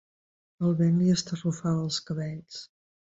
El vent li estarrufava els cabells.